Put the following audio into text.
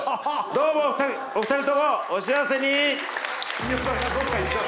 どうもお二人ともお幸せに！